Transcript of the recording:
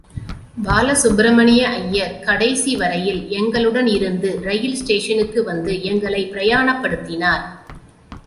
பாலசுப்பிரமணிய ஐயர், கடைசி வரையில் எங்களுடனிருந்து ரெயில் ஸ்டேஷனுக்கு வந்து எங்களைப் பிரயாணப்படுத்தினார்.